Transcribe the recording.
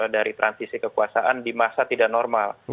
dari transisi kekuasaan di masa tidak normal